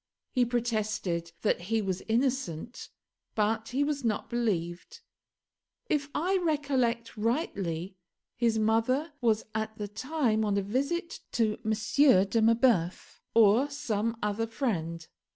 He protested that he was innocent, but he was not believed. If I recollect rightly, his mother was at the time on a visit to M. de Marbeuf, or some other friend.